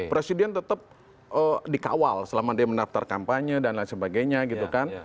presiden tetap dikawal selama dia mendaftar kampanye dan lain sebagainya gitu kan